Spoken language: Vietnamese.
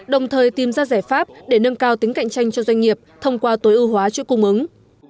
đồng thời tìm ra giải pháp để nâng cao tính cạnh tranh cho doanh nghiệp thông qua tối ưu hóa chuỗi cung ứng